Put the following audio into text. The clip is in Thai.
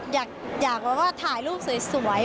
อยากแบบว่าถ่ายรูปสวย